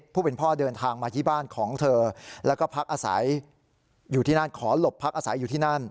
ผู้เป็นพ่อเดินทางมาที่บ้านของเธอแล้วก็พักอาศัยอยู่ที่นั่นขอหลบพักอาศัยอยู่ที่นั่น